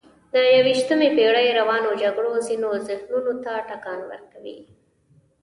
د یویشتمې پېړۍ روانو جګړو ځینو ذهنونو ته ټکان ورکړ.